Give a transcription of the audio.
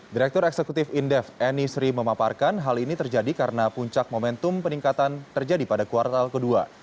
direktur eksekutif indef eni sri memaparkan hal ini terjadi karena puncak momentum peningkatan terjadi pada kuartal kedua